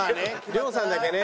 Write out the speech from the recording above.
亮さんだけね。